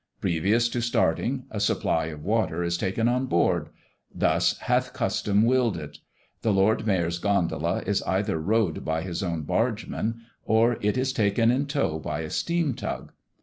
Previous to starting, a supply of water is taken on board thus hath custom willed it. The Lord Mayor's gondola is either rowed by his own bargemen, or it is taken in tow by a steam tug.